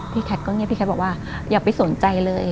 แคทก็เงียบพี่แคทบอกว่าอย่าไปสนใจเลย